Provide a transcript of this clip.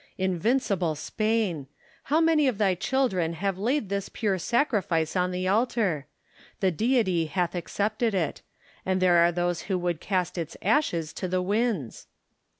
Invincible Spain ! how many of thy children have laid this pure sacrifice on the altar ! The Deity hath accepted it : and there are those who would cast its ashes to the winds